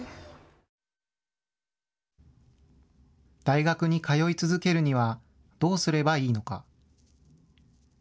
大学に通い続けるにはどうすればいいのか。